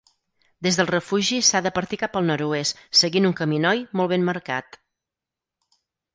Des del refugi, s'ha de partir cap al nord-oest seguint un caminoi molt ben marcat.